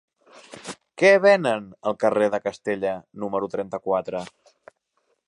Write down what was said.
Què venen al carrer de Castella número trenta-quatre?